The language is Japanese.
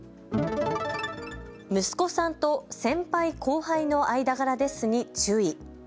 息子さんと先輩・後輩の間柄ですに注意。